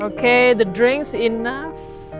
oke minuman sudah cukup